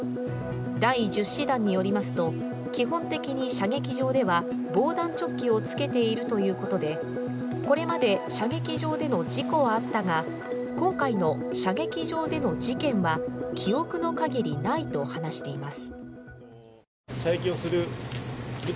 第１０師団によりますと、基本的に射撃場では防弾チョッキを着けているということで、これまで射撃場での事故はあったが今回の射撃場での事件は記憶のかぎりないと話しています。